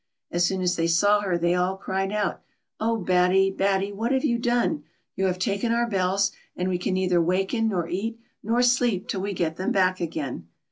As soon as they saw her, they all cried out :*' Oh ! Batty, Batty, what have you done ! You have taken our bells, and we can neither waken, nor eat, nor sleep till we get them back again.